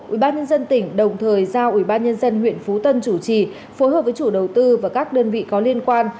ubnd tỉnh đồng thời giao ubnd huyện phú tân chủ trì phối hợp với chủ đầu tư và các đơn vị có liên quan